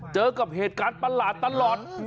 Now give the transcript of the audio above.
เจอกับเหตุการณ์ประหลาดตลอด